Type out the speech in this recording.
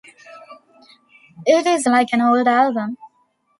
It's like an old album.